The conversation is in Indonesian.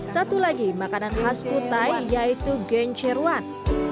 satu lagi makanan khas kutai yaitu gencerwan